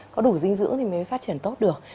có đủ dinh dưỡng thì mới phát triển tốt được